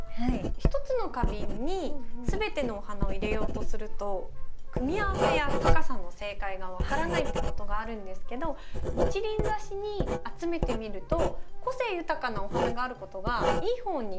一つの花瓶に全てのお花を入れようとすると組み合わせや高さの正解が分からないってことがあるんですけど一輪挿しに集めてみると個性豊かなお花があることがいい方に見えると思うんですね。